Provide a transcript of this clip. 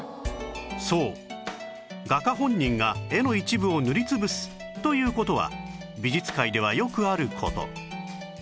そう画家本人が絵の一部を塗りつぶすという事は美術界ではよくある事